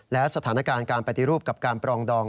และสถานการณ์การปฏิรูปกับการปรองดอง